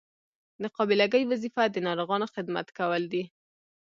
د قابله ګۍ وظیفه د ناروغانو خدمت کول دي.